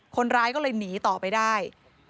คนร้ายก็เลยหนีต่อไปได้